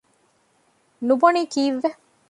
ނުބޮނީ ކީއްވެ؟